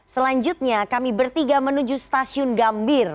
selanjutnya kami bertiga menuju stasiun gambir